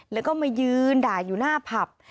แล้วก็มายืนด่าอยู่หน้าผับ